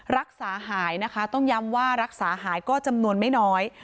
รักษาหายนะคะต้องย้ำว่ารักษาหายก็จำนวนไม่น้อย